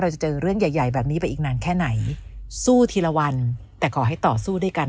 จะเจอเรื่องใหญ่ใหญ่แบบนี้ไปอีกนานแค่ไหนสู้ทีละวันแต่ขอให้ต่อสู้ด้วยกัน